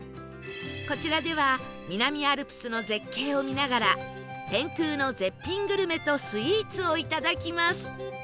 こちらでは南アルプスの絶景を見ながら天空の絶品グルメとスイーツをいただきます